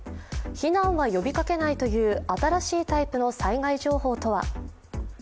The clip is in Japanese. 避難は呼びかけないという新しいタイプの災害情報とは？